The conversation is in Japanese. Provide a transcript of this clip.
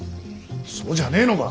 そうじゃねえのか。